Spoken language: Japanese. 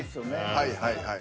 はいはいはい。